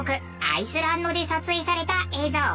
アイスランドで撮影された映像。